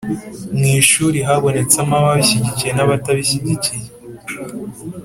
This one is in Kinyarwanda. Mu ishuri habonetsemo ababishyigikiye n’abatabishyigikiye.